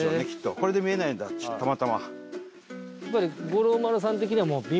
これで見えないんだたまたま。